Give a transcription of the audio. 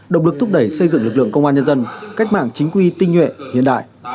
động lực thúc đẩy xây dựng lực lượng công an nhân dân cách mạng chính quy tinh nhuệ hiện đại